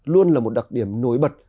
luôn là một đặc điểm nối bật